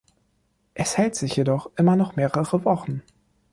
Es hält sich jedoch immer noch mehrere Wochen.